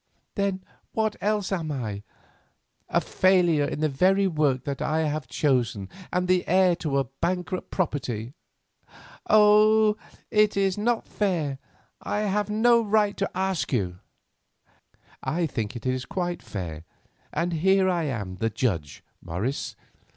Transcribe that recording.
Then, what else am I? A failure in the very work that I have chosen, and the heir to a bankrupt property! Oh! it is not fair; I have no right to ask you!" "I think it quite fair, and here I am the judge, Morris."